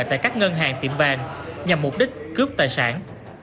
tại các ngân hàng tiệm vàng nhằm mục đích cướp tài sản